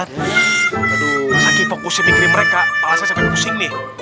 aduh saki fokusnya mikirin mereka kalau saya sampai pusing nih